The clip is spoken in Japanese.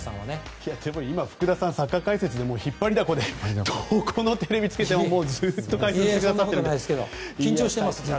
今、福田さんはサッカー解説で引っ張りだこでどこのテレビをつけてもずっと解説してくださってますので。